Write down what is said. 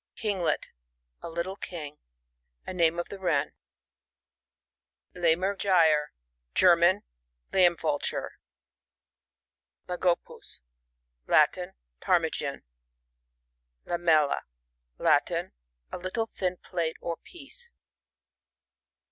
Kinglet. — A little king. A name of the Wren. Ljemer okyer. — ^German. Lamb^vul ture. Laqopds — Latin. Ptarmigan. Lamella — Latin. A liitle thin plate or piece.